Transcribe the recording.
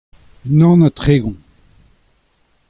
unan ha tregont.